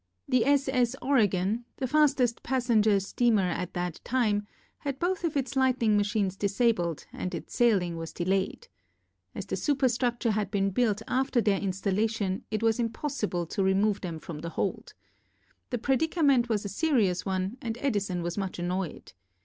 The S. S. Oregon, the fastest passenger steamer at that time, had both of its lighting machines disabled and its sailing was de layed. As the superstructure had been built after their installation it was impossible to remove them from the hold. The predica ment was a serious one and Edison was much annoyed.